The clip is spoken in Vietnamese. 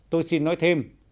tôi xin nói thêm